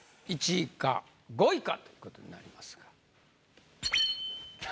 １位か５位かということになります。